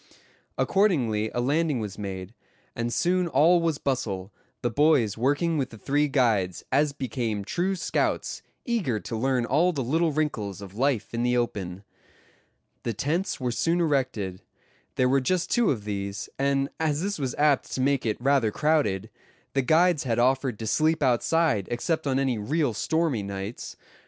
Accordingly a landing was made, and soon all was bustle, the boys working with the three guides, as became true scouts, eager to learn all the little wrinkles of life in the open. The tents were soon erected. There were just two of these; and as this was apt to make it rather crowded, the guides had offered to sleep outside except on any real stormy nights.